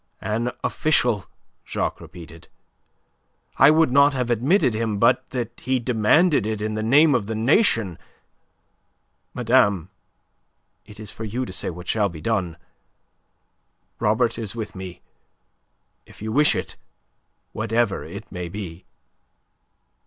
"An official," Jacques repeated. "I would not have admitted him, but that he demanded it in the name of the Nation. Madame, it is for you to say what shall be done. Robert is with me. If you wish it... whatever it may be..."